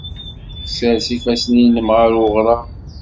Ssers ifassen-nnem ɣef uɣrab.